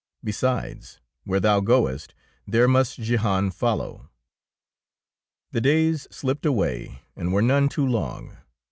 Besides, where thou goest, there must Jehan follow.'^ The days slipped away and were none too long.